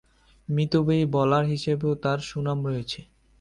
মিতব্যয়ী bowler হিসেবেও তার সুনাম রয়েছে।